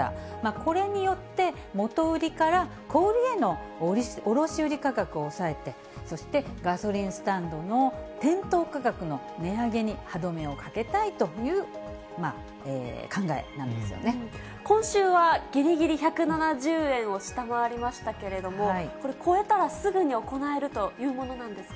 これによって、元売りから小売りへの卸売り価格を抑えて、そしてガソリンスタンドの店頭価格の値上げに歯止めをかけたいと今週は、ぎりぎり１７０円を下回りましたけれども、これ、超えたらすぐに行えるというものなんですか。